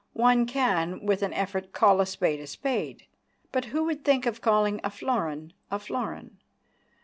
One can with an effort call a spade a spade, but who would think of calling a florin a florin?